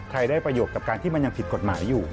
ได้ประโยชน์กับการที่มันยังผิดกฎหมายอยู่